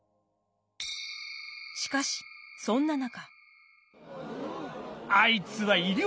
しかしそんな中。